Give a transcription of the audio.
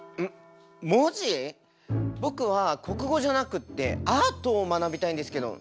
僕は国語じゃなくってアートを学びたいんですけど。